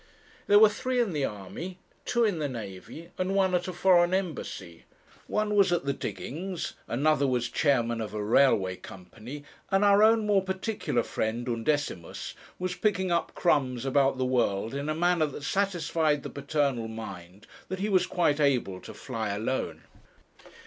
There were three in the army, two in the navy, and one at a foreign embassy; one was at the diggings, another was chairman of a railway company, and our own more particular friend, Undecimus, was picking up crumbs about the world in a manner that satisfied the paternal mind that he was quite able to fly alone.